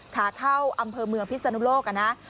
ขาเข้าอำเภอเมืองพิศนุโลกนะ